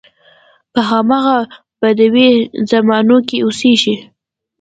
په همغه بدوي زمانو کې اوسېږي.